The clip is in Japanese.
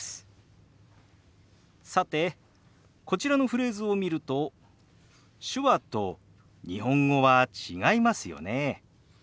さてこちらのフレーズを見ると手話と日本語は違いますよね。